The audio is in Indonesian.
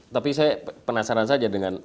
tapi saya penasaran saja dengan